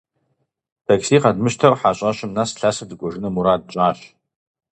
Такси къэдмыщтэу хьэщӀэщым нэс лъэсу дыкӏуэжыну мурад тщӀащ.